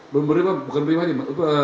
bukan menerima hadiah